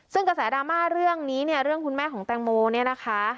ซึ่งกระแสดราม่าเรื่องนี้เนี่ยเรื่องคุณแม่ของแตงโมเนี่ยนะคะ